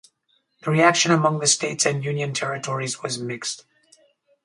The reaction among the states and union territories was mixed.